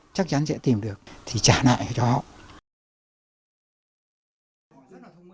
chắc chắn sẽ tìm được thì trả nợ cho họ